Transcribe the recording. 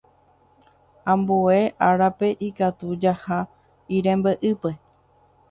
Ambue árape ikatu jaha yrembe'ýpe.